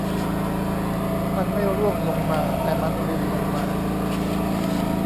มันไม่ร่วงลงมาแต่มันรินลงมา